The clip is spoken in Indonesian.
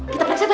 kita periksa dah